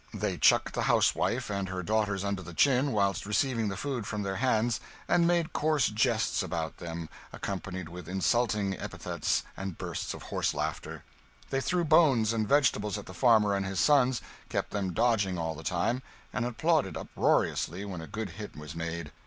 They chucked the housewife and her daughters under the chin whilst receiving the food from their hands, and made coarse jests about them, accompanied with insulting epithets and bursts of horse laughter. They threw bones and vegetables at the farmer and his sons, kept them dodging all the time, and applauded uproariously when a good hit was made.